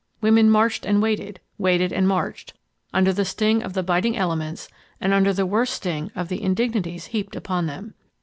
Women marched and waited—waited and marched, under the sting of the biting elements and under the worse sting of the indignities heaped upon them.